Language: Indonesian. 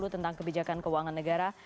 tentang kebijakan keuangan negara